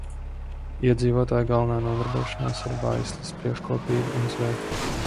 Iedzīvotāju galvenā nodarbošanās ir vaislas briežkopība un zveja.